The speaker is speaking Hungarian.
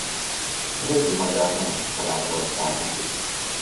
Régi magyar nemesi családból származik.